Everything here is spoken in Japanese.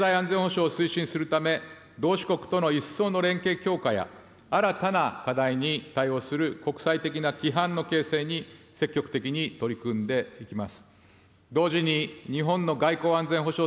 また経済安全保障を推進するため、同志国との一層の連携強化や、新たな課題に対応する国際的な規範の形成に積極的に取り組んでいきます。